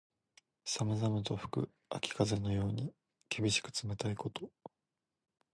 寒々と吹く秋風のように、厳しく冷たいこと。